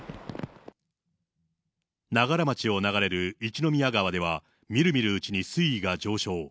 ながら町を流れる一宮川では、見る見るうちに水位が上昇。